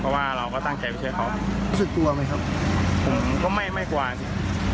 เพราะว่าเราก็ตั้งใจไปช่วยเขารู้สึกกลัวไหมครับผมก็ไม่ไม่กลัวสิ